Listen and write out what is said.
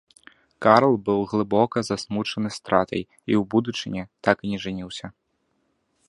Карл быў глыбока засмучаны стратай, і ў будучыні так і не жаніўся.